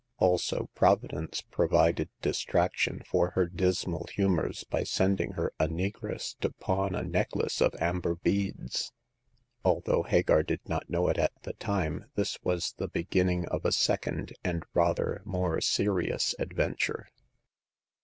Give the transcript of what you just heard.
Also, Providence provided distraction for her dismal humors by sending her a negress to pawn a necklace of amber beads. Although Hagar did not know it at the time, this was the beginning of a second and rather more serious adventure.